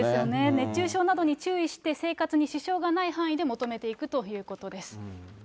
熱中症などに注意して、生活に支障がない範囲で求めていくということです。